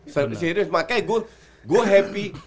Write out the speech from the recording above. serius makanya gue happy